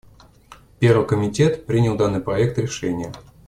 Первый комитет принял данный проект решения.